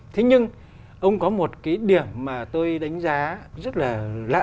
thế nhưng ông có một cái điểm mà tôi đánh giá rất là lạ